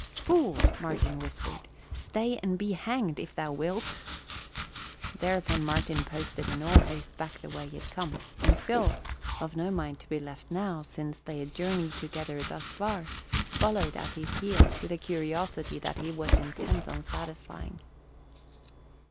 "Fool!" Martin whispered. "Stay and be hanged, an thou wilt." Thereupon Martin posted in all haste back the way he had come and Phil, of no mind to be left now, since they had journeyed together thus far, followed at his heels with a curiosity that he was intent on satisfying.